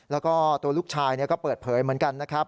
แล้วก็ตัวลูกชายก็เปิดเผยเหมือนกันนะครับ